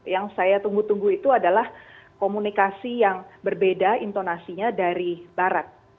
yang saya tunggu tunggu itu adalah komunikasi yang berbeda intonasinya dari barat